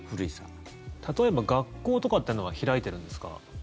例えば学校とかは開いているんですか？